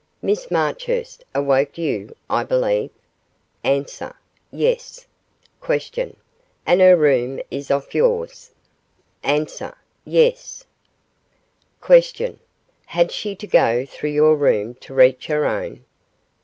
Miss Marchurst awoke you, I believe? A. Yes. Q. And her room is off yours? A. Yes. Q. Had she to go through your room to reach her own?